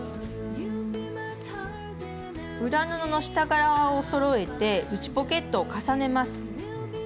裏布の下側をそろえて内ポケットを重ねます。